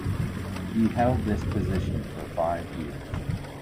He held this position for five years.